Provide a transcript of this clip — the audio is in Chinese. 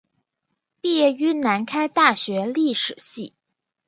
毕业于南开大学历史系。